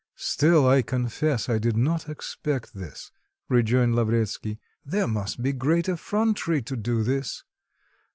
"Still, I confess I did not expect this," rejoined Lavretsky; "there must be great effrontery to do this."